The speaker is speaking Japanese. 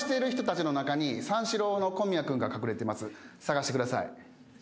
捜してください。